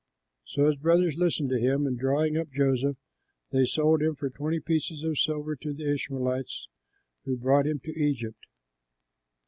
So his brothers listened to him; and, drawing up Joseph, they sold him for twenty pieces of silver to the Ishmaelites, who brought him to Egypt.